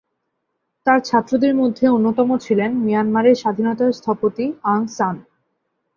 তার ছাত্রদের মধ্যে অন্যতম ছিলেন মিয়ানমারের স্বাধীনতার স্থপতি আং সান।